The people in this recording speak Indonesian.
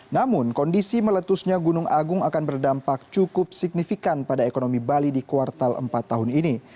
namun kondisi meletusnya gunung agung akan berdampak cukup signifikan pada ekonomi bali di kuartal empat tahun ini